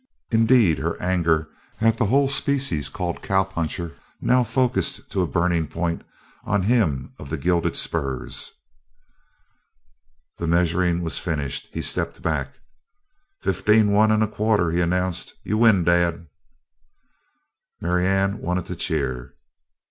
Indeed her anger at the whole species called "cowpuncher" now focused to a burning point on him of the gilded spurs. The measuring was finished; he stepped back. "Fifteen one and a quarter," he announced. "You win, Dad!" Marianne wanted to cheer.